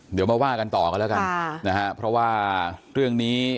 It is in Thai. เดี๋ยวมาว่ากันต่อกันแล้วกันนะฮะเพราะว่าเรื่องนี้